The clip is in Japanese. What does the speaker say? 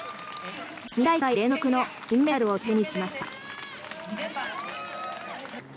２大会連続の金メダルを手にしました。